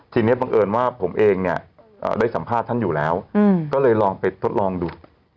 ทีนี้บังเอิญว่าผมเองเนี่ยได้สัมภาษณ์ท่านอยู่แล้วก็เลยลองไปทดลองดู